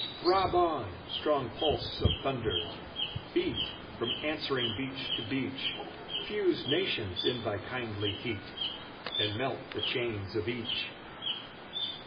Throb on, strong pulse of thunder! beat From answering beach to beach; Fuse nations in thy kindly heat, And melt the chains of each!